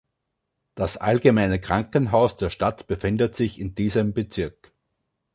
Das allgemeine Krankenhaus der Stadt befindet sich in diesem Bezirk.